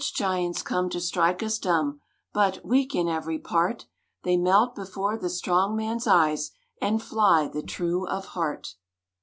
Such giants come to strike us dumb, But, weak in every part, They melt before the strong man's eyes, And fly the true of heart.